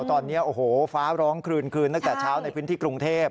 ตอนนี้ฟ้าร้องคลืนคืนนักแต่เช้าในพื้นที่กรุงเทพฯ